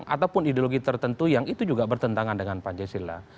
ataupun ideologi tertentu yang itu juga bertentangan dengan pancasila